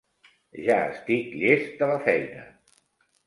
Ja estic llest de la feina.